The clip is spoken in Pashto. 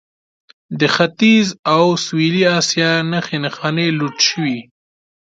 د ختیځ او سویلي اسیا نښې نښانې لوټ شوي.